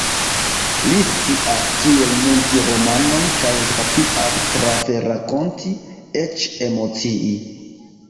Li scias kiel munti romanon kaj sapias trafe rakonti, eĉ emocii.